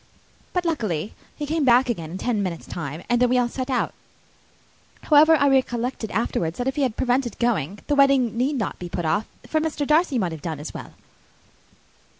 But, luckily, he came back again in ten minutes' time, and then we all set out. However, I recollected afterwards, that if he had been prevented going, the wedding need not be put off, for Mr. Darcy might have done as well."